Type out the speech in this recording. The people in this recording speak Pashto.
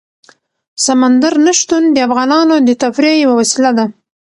سمندر نه شتون د افغانانو د تفریح یوه وسیله ده.